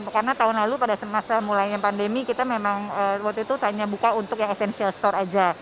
karena tahun lalu pada semasa mulanya pandemi kita memang waktu itu tanya buka untuk yang essential store saja